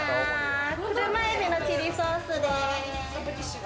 車エビのチリソースです。